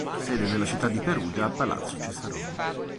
Ha sede nella città di Perugia a Palazzo Cesaroni.